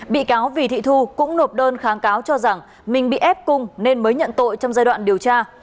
bị cáo vì thị thu cũng nộp đơn kháng cáo cho rằng mình bị ép cung nên mới nhận tội trong giai đoạn điều tra